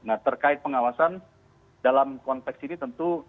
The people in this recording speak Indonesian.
nah terkait pengawasan dalam konteks ini tentu